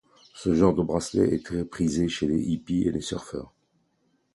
Ce genre de bracelet est très prisé chez les hippies et les surfeurs.